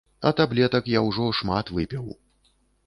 А таблетак я ужо шмат выпіў.